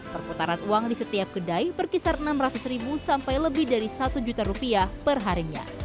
perputaran uang di setiap kedai berkisar rp enam ratus sampai lebih dari rp satu juta perharinya